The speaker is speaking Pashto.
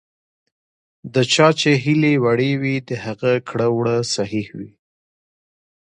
د چا چې هیلې وړې وي، د هغه کړه ـ وړه صحیح وي .